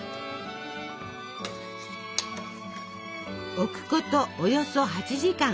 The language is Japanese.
置くことおよそ８時間。